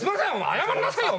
謝んなさいよ